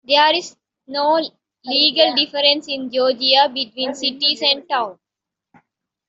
There is no legal difference in Georgia between cities and towns.